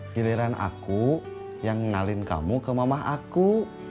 giliran aku yang ngalin kamu ke mama aku